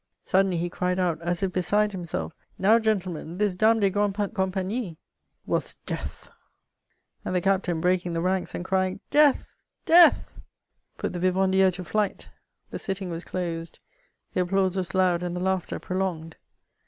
Suddenly he cried out, as if beside himself, *< Now, gentlemen, this Dame des grandes compagnies was Death !" And the captain, breaking the ranks and crying, '^ Death! death !" put the vivandiires to flight. The sitting was closed ; the applause was loud and the laughter prolonged.